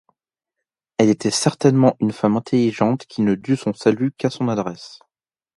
Elle était certainement une femme intelligente qui ne dut son salut qu'à son adresse.